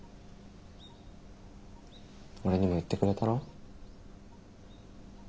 俺にも言ってくれたろ？